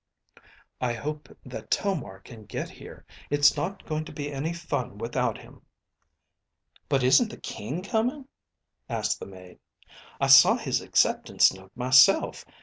"I hope that Tomar can get here. It's not going to be any fun without him." "But isn't the King coming?" asked the maid. "I saw his acceptance note myself.